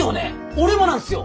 俺もなんすよ！